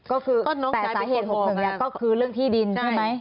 แต่สาเหตุ๖๑เนี่ยก็คือเรื่องที่ดินใช่ไหม